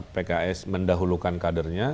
pks mendahulukan kadernya